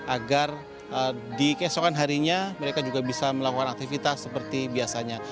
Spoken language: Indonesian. agar di keesokan harinya mereka juga bisa melakukan aktivitas seperti biasanya